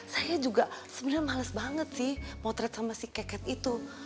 saya juga sebenarnya males banget sih potret sama si keket itu